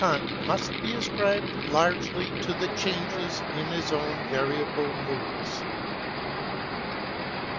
of Eant must be ascribed largely to the changes in his own variable moods.